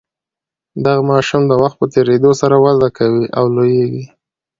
دغه ماشوم د وخت په تیریدو سره وده کوي او لوییږي.